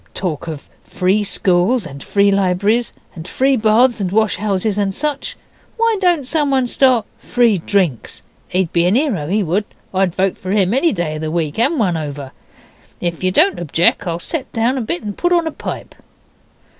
Talk of free schools and free libraries, and free baths and wash houses and such! Why don't someone start free DRINKS? He'd be a 'ero, he would. I'd vote for him any day of the week and one over. Ef yer don't objec I'll set down a bit and put on a pipe.